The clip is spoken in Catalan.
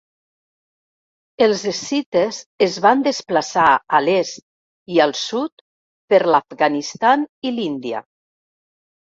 Els escites es van desplaçar a l'est i al sud per l'Afganistan i l'Índia.